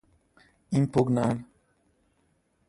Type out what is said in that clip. impugnar